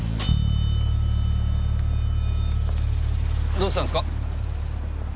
どうしたんすか？